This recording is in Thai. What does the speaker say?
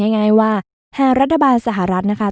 ง่ายว่าหากรัฐบาลสหรัฐนะคะ